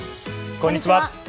こんにちは。